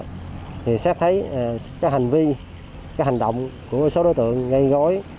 thì xét thấy cái hành vi cái hành động của số đối tượng gây gối